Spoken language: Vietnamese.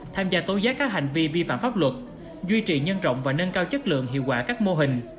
tham gia tố giác các hành vi vi phạm pháp luật duy trì nhân rộng và nâng cao chất lượng hiệu quả các mô hình